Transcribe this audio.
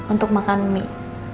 untuk makan mie